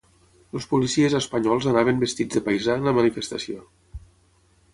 Els policies espanyols anaven vestits de paisà en la manifestació